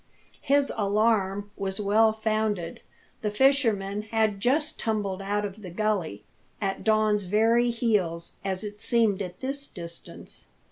His alarm was well founded. The fishermen had just tumbled out of the gully, at Don's very heels, as it seemed at this distance.